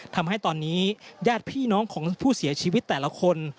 ทำให้ตอนนี้ญาติพี่น้องของผู้เสียชีวิตแต่ละคน